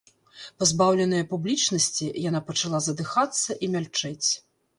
Пазбаўленая публічнасці, яна пачала задыхацца і мяльчэць.